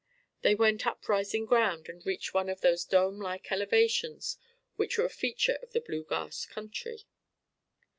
They went up rising ground and reached one of those dome like elevations which are a feature of the blue grass country.